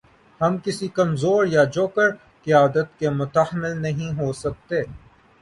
ہم کسی کمزور یا جوکر قیادت کے متحمل نہیں ہو سکتے۔